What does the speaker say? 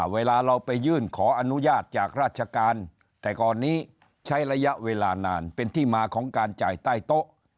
เวลาเราไปยื่นขออนุญาตจากราชการแต่ก่อนนี้ใช้ระยะเวลานานเป็นที่มาของการจ่ายใต้โต๊ะ